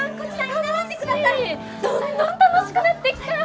どんどん楽しくなってきた！